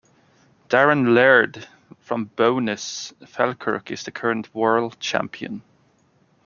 Darren Laird from Bo'ness, Falkirk is the current world champion.